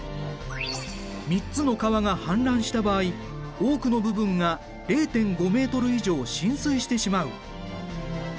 ３つの川が氾濫した場合多くの部分が０．５ｍ以上浸水してしまう。